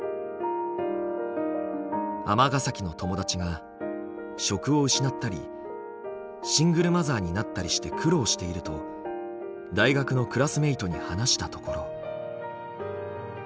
尼崎の友達が職を失ったりシングルマザーになったりして苦労していると大学のクラスメートに話したところ。